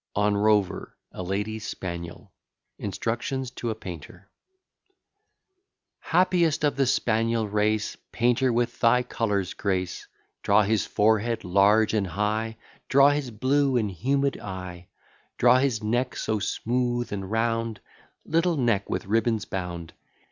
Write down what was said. ON ROVER, A LADY'S SPANIEL INSTRUCTIONS TO A PAINTER Happiest of the spaniel race, Painter, with thy colours grace: Draw his forehead large and high, Draw his blue and humid eye; Draw his neck so smooth and round, Little neck with ribbons bound!